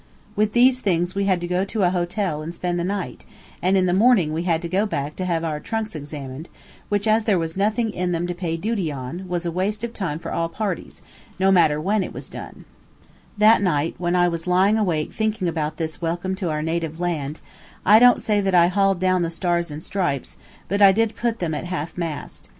With these things we had to go to a hotel and spend the night, and in the morning we had to go back to have our trunks examined, which, as there was nothing in them to pay duty on, was waste time for all parties, no matter when it was done. [Illustration: "Jone didn't carry any hand bag, and I had only a little one"] That night, when I was lying awake thinking about this welcome to our native land, I don't say that I hauled down the stars and stripes, but I did put them at half mast.